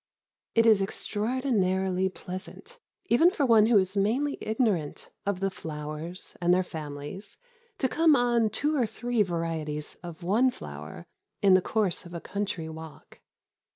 It is extraordinarily pleasant even for one who is mainly ignorant of the flowers and their families to come on two or three varieties of one flower in the course of a country walk.